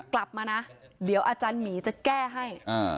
กลับมานะเดี๋ยวอาจารย์หมีจะแก้ให้